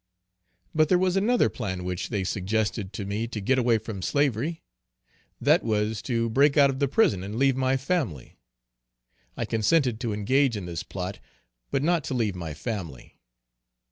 But there was another plan which they suggested to me to get away from slavery; that was to break out of the prison and leave my family. I consented to engage in this plot, but not to leave my family.